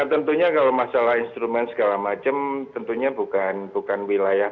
tentunya kalau masalah instrumen segala macam tentunya bukan wilayah